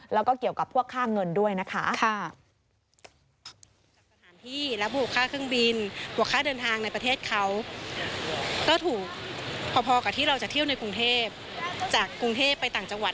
แล้วก็เกี่ยวกับพวกค่าเงินด้วยนะคะ